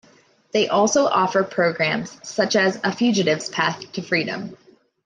They also offer programs such as "A Fugitive's Path to Freedom".